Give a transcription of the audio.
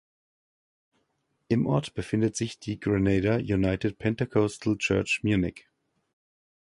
Im Ort befindet sich die "Grenada United Pentecostal Church Munich".